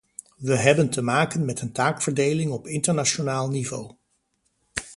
We hebben te maken met een taakverdeling op internationaal niveau.